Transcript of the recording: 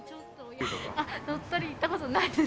鳥取行ったことないです。